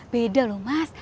beda loh mas